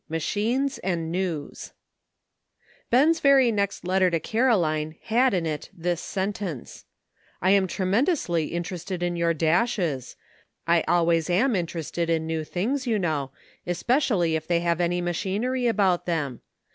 MACHINES AND NEWS, BEN'S very next letter to Caroline had in it this sentence :" I am tremendously inter ested in your dashes. I always am interested in new things, you know, especially if they have any machinery about them.